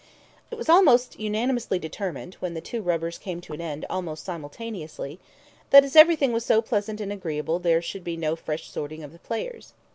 It was unanimously determined, when the two rubbers came to an end almost simultaneously, that, as everything was so pleasant and agreeable, there should be no fresh sorting of the players.